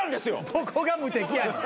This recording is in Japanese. どこが無敵やねん。